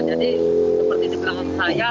jadi seperti diperhatikan saya